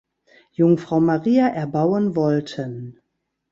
Jungfrau Maria erbauen wollten.